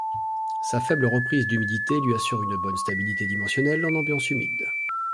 Sa faible reprise d'humidité lui assure une bonne stabilité dimensionnelle en ambiance humide.